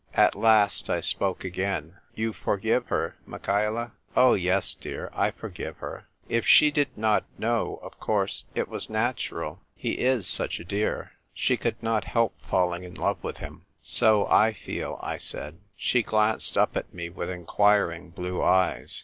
At last I spoke again. " You forgive her, Michaela?" " Oh ! yes, dear, I forgive her. If she did 258 THE TYPE WRITER GIRL. not know, of course it was natural. He is such a clear ! She could not help falling in love with him !" "So I feel," I said. She glanced up at me with inquiring blue eyes.